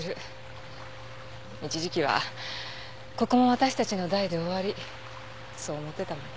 一時期はここも私たちの代で終わりそう思ってたもの。